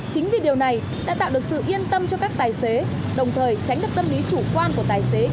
chính vì điều này đã tạo được sự yên tâm cho các tài xế đồng thời tránh được tâm lý chủ quan của tài xế